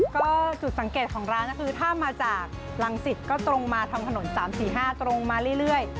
ก็จุดสังเกตของร้านก็คือถ้ามาจากรังสิตก็ตรงมาทางถนน๓๔๕ตรงมาเรื่อย